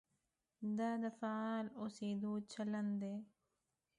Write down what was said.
دا د فعال اوسېدو چلند دی.